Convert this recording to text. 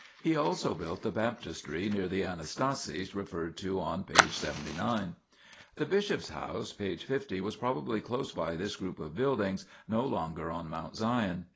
He also built the baptistery near the Anastasis referred to on p. 79. The bishop's house (p. 50) was probably close by this group of buildings, no longer on Mount Sion.